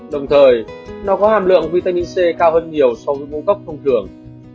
đồng thời nó có hàm lượng vitamin c cao hơn nhiều so với mô tốc thông thường